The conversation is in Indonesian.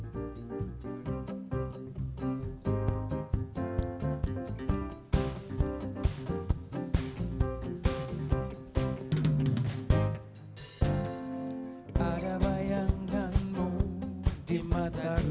bagaimana caranya oh cintaku